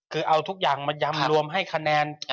คือเอาทุกอย่างมายำรวมให้คะแนน